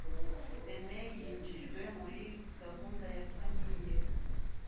rene yinjijwe muri gahunda ya famiye